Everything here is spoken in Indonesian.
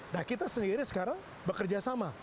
nah kita sendiri sekarang bekerjasama